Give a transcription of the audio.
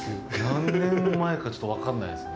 何年前か、ちょっと分かんないですね。